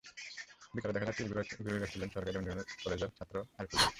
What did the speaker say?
বিকেলে দেখা যায়, চিল ঘুড়ি ওড়াচ্ছিলেন সরকারি দেবেন্দ্র কলেজের ছাত্র আরিফুল হক।